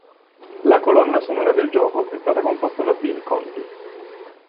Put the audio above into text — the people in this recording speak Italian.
La colonna sonora del gioco è stata composta da Bill Conti.